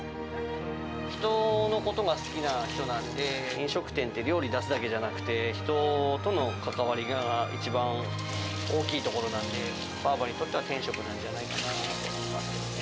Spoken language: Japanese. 人のことが好きな人なんで、飲食店って料理出すだけじゃなくて、人との関わりが一番大きいところなんで、ばあばにとっては天職なんじゃないかなと思いますけどね。